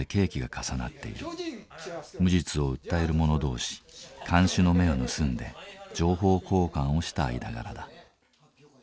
無実を訴える者同士看守の目を盗んで情報交換をした間柄だ。